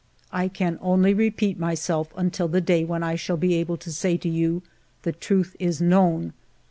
" I can only repeat myself, until the day when I shall be able to say to you, * The truth is known.'